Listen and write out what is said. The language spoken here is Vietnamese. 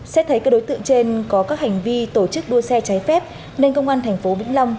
xét thấy các đối tượng trên có các hành vi tổ chức đua xe trái phép nên công an thành phố vĩnh long